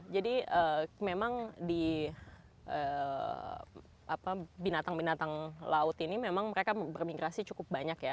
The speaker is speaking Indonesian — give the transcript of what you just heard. jadi memang di binatang binatang laut ini memang mereka bermigrasi cukup banyak ya